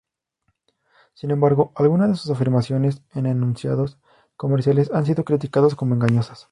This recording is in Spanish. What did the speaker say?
Sin embargo, algunas de sus afirmaciones en anuncios comerciales han sido criticados como engañosas.